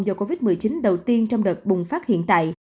do covid một mươi chín đầu tiên trong đợt bùng phát hiện tại